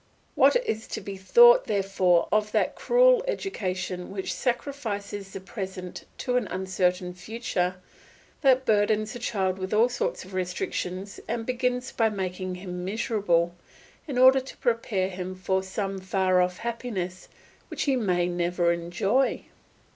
What is to be thought, therefore, of that cruel education which sacrifices the present to an uncertain future, that burdens a child with all sorts of restrictions and begins by making him miserable, in order to prepare him for some far off happiness which he may never enjoy?